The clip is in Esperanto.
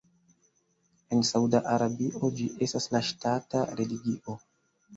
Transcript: En Sauda Arabio ĝi estas la ŝtata religio.